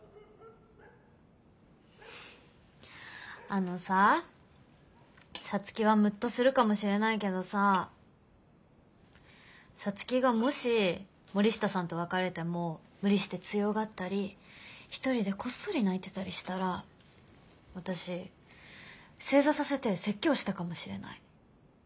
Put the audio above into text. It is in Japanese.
あのさ皐月はムッとするかもしれないけどさ皐月がもし森下さんと別れても無理して強がったり一人でこっそり泣いてたりしたら私正座させて説教したかもしれない。